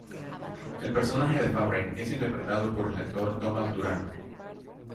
El personaje de Favre es interpretado por el actor Thomas Durand.